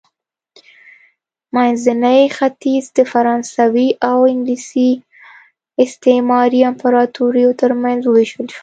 منځنی ختیځ د فرانسوي او انګلیس استعماري امپراتوریو ترمنځ ووېشل شو.